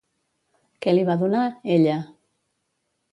Què li va donar, ella?